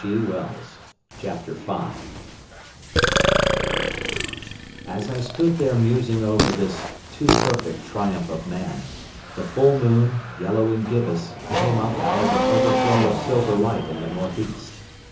A Sudden Shock "As I stood there musing over this too perfect triumph of man, the full moon, yellow and gibbous, came up out of an overflow of silver light in the north east.